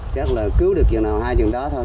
chắc là cứu được vườn nào hai trường đó thôi